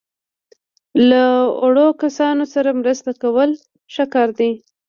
له اړو کسانو سره مرسته کول ښه کار دی.